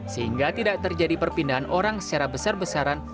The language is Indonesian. sehingga tidak terjadi perpindahan orang secara besar besaran